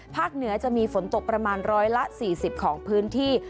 ภาคเหนือจะมีฝนตกประมาณร้อยละ๔๐ของพื้นที่